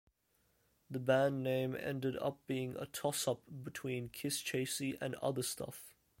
The band name ended up being a "toss-up between Kisschasy and "Other Stuff".